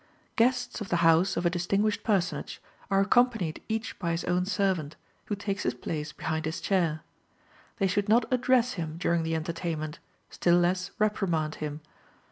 Guests of the house of a distinguished personage are accompanied each by his own servant, who takes his place behind his chair. They should not address him during the entertainment, still less reprimand him.